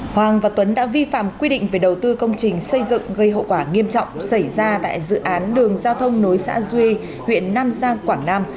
hoàng và tuấn đã vi phạm quy định về đầu tư công trình xây dựng gây hậu quả nghiêm trọng xảy ra tại dự án đường giao thông nối xã duy huyện nam giang quảng nam